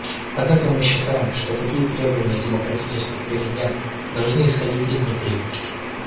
Однако мы считаем, что такие требования демократических перемен должны исходить изнутри.